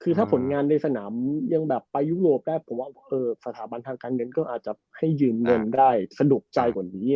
คือถ้าผลงานในสนามยังแบบไปยุโรปแป๊บผมว่าสถาบันทางการเงินก็อาจจะให้ยืมเงินได้สะดวกใจกว่านี้